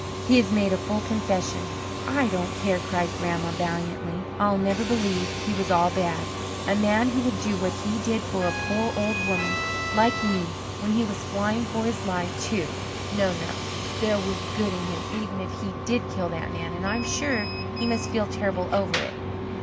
He has made a full confession." "I don't care," cried Grandma valiantly. "I'll never believe he was all bad a man who would do what he did for a poor old woman like me, when he was flying for his life too. No, no, there was good in him even if he did kill that man. And I'm sure he must feel terrible over it."